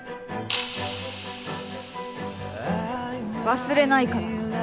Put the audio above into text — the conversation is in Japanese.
忘れないから。